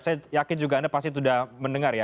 saya yakin juga anda pasti sudah mendengar ya